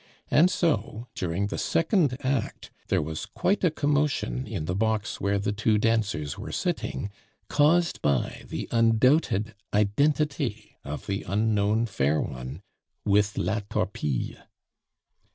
And so, during the second act, there was quite a commotion in the box where the two dancers were sitting, caused by the undoubted identity of the unknown fair one with La Torpille.